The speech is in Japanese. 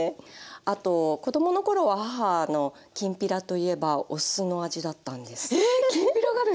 あと子供の頃は母のきんぴらといえばお酢の味だったんです。